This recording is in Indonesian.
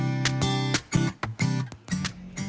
kini sababe memiliki tiga perusahaan